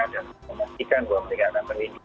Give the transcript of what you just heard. dan memastikan bahwa penelitian akan peneliti